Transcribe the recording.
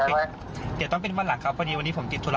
เดี๋ยวต้องเป็นวันหลังครับพอดีวันนี้ผมติดธุระ